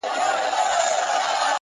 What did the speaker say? • شیطاني صبر -